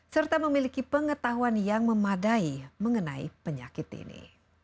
serta memiliki pengetahuan yang memadai mengenai penyakit ini